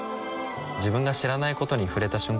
自分が知らないことに触れた瞬間